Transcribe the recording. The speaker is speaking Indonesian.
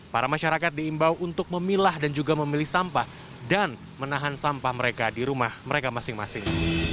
para masyarakat diimbau untuk memilah dan juga memilih sampah dan menahan sampah mereka di rumah mereka masing masing